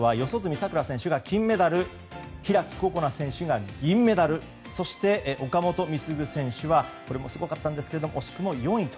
さくら選手が金メダル開心那選手が銀メダルそして、岡本碧優選手はこれもすごかったんですけれども惜しくも４位と。